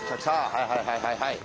はいはいはいはいはい。